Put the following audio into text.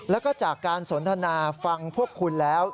แล้วก็จากการสนทนาฟังพวกคุณแล้ว